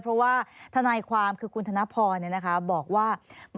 เพราะว่าทนายความคือคุณธนพรบอกว่า